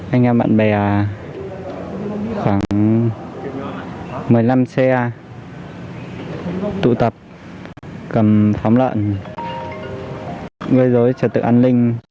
anh em bạn bè khoảng một mươi năm xe tụ tập cầm phóng lợn gây dối trật tự an ninh